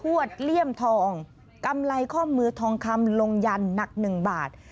วดเลี่ยมทองกำไรข้อมือทองคำลงยันหนัก๑บาท